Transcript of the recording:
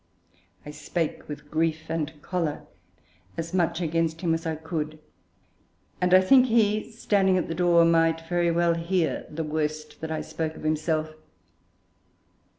I spake, with grief and choler, as much against him as I could; and I think he, standing at the door, might very well hear the worst that I spoke of himself.